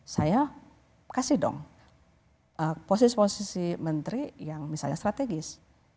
saya kasih dong posisi posisi menteri yang misalnya strategis